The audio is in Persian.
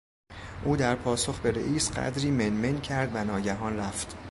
او در پاسخ به رئیس قدری من من کرد و ناگهان رفت.